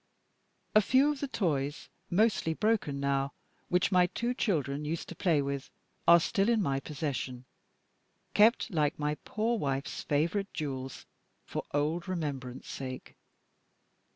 A few of the toys, mostly broken now, which my two children used to play with are still in my possession; kept, like my poor wife's favorite jewels, for old remembrance' sake.